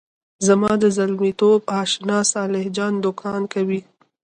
زما د زلمیتوب آشنا صالح جان دوکان کوي.